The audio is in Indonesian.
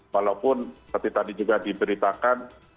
walaupun seperti tadi juga diberitakan